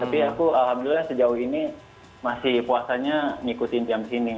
tapi aku alhamdulillah sejauh ini masih puasanya ngikutin jam sini